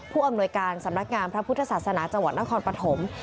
อำนวยการสำนักงานพระพุทธศาสนาจังหวัดนครปฐม